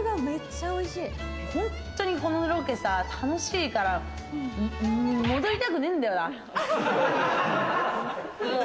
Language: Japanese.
本当にこのロケさ、楽しいから、戻りたくねえんだよな。